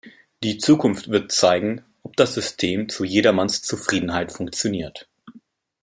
Die Zukunft wird zeigen, ob das System zu jedermanns Zufriedenheit funktioniert.